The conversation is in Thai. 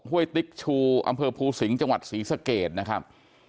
้วยติ๊กชูอำเภอภูสิงห์จังหวัดศรีสะเกดนะครับ